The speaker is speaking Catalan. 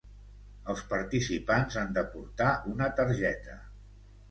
Els participants han de portar una targeta.